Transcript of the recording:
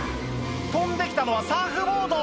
飛んで来たのはサーフボード！